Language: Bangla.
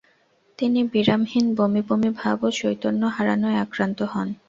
তিনি বিরামহীন বমি বমি ভাব ও চৈতন্য হারানোয় আক্রান্ত হন।